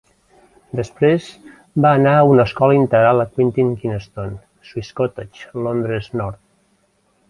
Després va anar a una escola integral a Quintin Kynaston, Swiss Cottage, Londres nord.